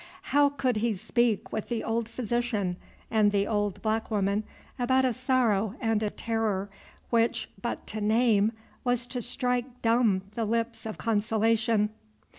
How could he speak with the old physician and the old black woman about a sorrow and a terror which but to name was to strike dumb the lips of Consolation?